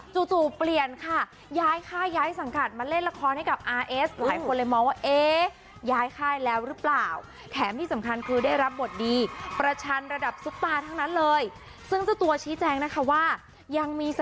จูจูเปลี่ยนค่ะย้ายค่ายย้ายสังคัญ